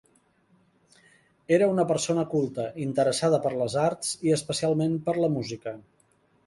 Era una persona culta, interessada per les arts, i especialment per la música.